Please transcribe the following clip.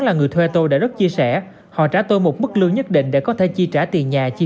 là người thuê tôi đã rất chia sẻ họ trả tôi một mức lương nhất định để có thể chi trả tiền nhà chi